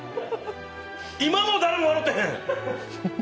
今も誰も笑ってへん。